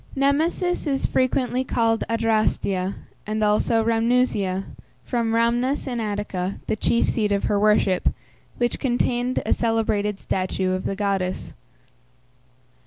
Nemesis is frequently called Adrastia, and also Rhamnusia, from Rhamnus in Attica, the chief seat of her worship, which contained a celebrated statue of the goddess.